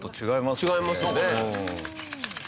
違いますね。